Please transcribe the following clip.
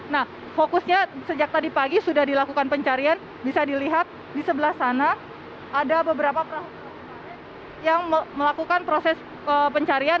nah fokusnya sejak tadi pagi sudah dilakukan pencarian bisa dilihat di sebelah sana ada beberapa perahu yang melakukan proses pencarian